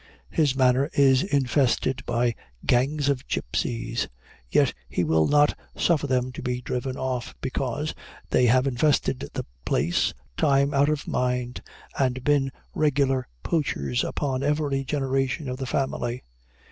His manor is infested by gangs of gipsies; yet he will not suffer them to be driven off, because they have infested the place time out of mind, and been regular poachers upon every generation of the family.